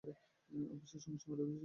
অফিসের সমস্যা মেটাতে চেষ্টা করবেন।